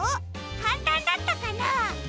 かんたんだったかな？